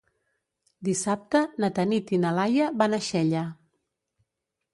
Dissabte na Tanit i na Laia van a Xella.